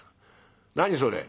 何それ？」。